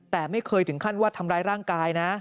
แต่ไม่เคยถึงขั้นว่าทำร้ายร่างกายนะ